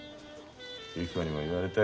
ゆき子にも言われたよ